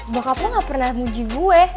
bokap lo gak pernah muji gue